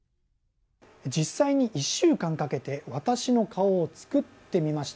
実際に１週間かけて私の顔を作ってみました。